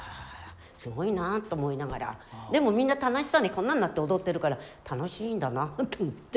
すごいなと思いながらでもみんな楽しそうにこんなんなって踊ってるから楽しいんだなと思って。